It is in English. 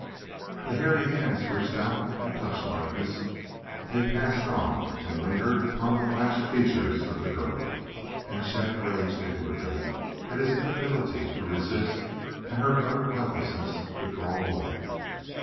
The hairy hands reached out and touched Harkness. They passed on and lingered upon the blanched features of the girl, and Chet raged inwardly at his inability to resist and her utter helplessness to draw away.